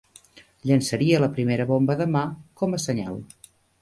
Llançaria la primera bomba de mà, com a senyal